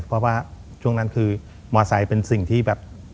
เพราะว่าช่วงนั้นคือมอไซค์เป็นสิ่งที่แบบ